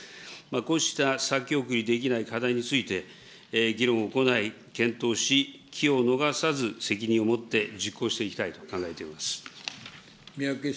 こうした先送りできない課題について、議論を行い、検討し、機を逃さず責任を持って実行していきたいと考えています。